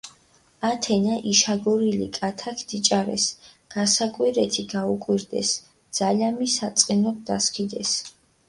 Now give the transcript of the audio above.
ათენა იშაგორილი კათაქ დიჭარეს, გასაკვირეთი გუკვირდეს, ძალამი საწყინოთ დასქიდეს.